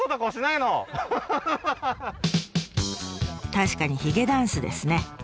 確かにヒゲダンスですね。